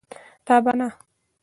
تابانه